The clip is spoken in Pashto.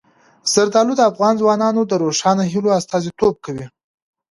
زردالو د افغان ځوانانو د روښانه هیلو استازیتوب کوي.